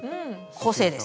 個性です。